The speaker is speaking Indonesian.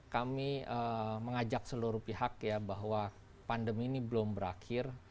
kami mengajak seluruh pihak ya bahwa pandemi ini belum berakhir